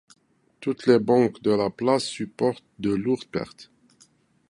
Toutes les banques de la place supportent de lourdes pertes.